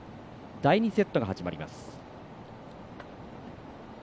第２セットが始まりました。